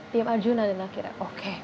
tim arjuna dan akhirnya oke